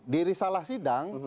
diri salah sidang